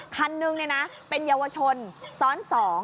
คันนึงเป็นเยาวชนซ้อน๒